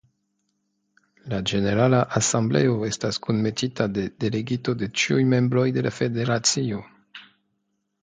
La ĝenerala asembleo estas kunmetita de delegito de ĉiuj membroj de la federacio.